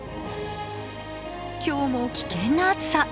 今日も危険な暑さ。